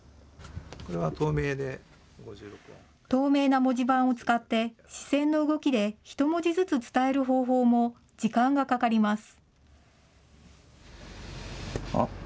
透明な文字盤を使って視線の動きで１文字ずつ伝える方法も、時間がかかります。